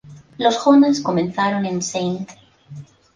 Los Jonas comenzaron en St.